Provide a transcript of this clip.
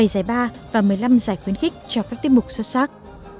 bảy giải ba và một mươi năm giải khuyến khích cho các tiết mục xuất sắc